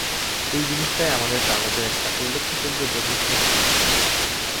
এই জিনিষটাই আপনাদের কাগজের একটা উল্লেখযোগ্য বৈশিষ্ট্য হবে।